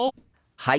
はい。